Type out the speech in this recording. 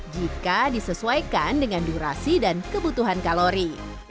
jika disesuaikan dengan durasi dan kebutuhan kalori